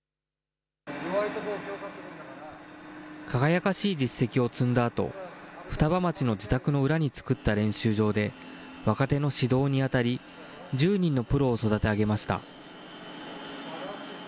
輝かしい実績を積んだあと、双葉町の自宅の裏に作った練習場で、若手の指導に当たり、１０人のプロを育て上げました。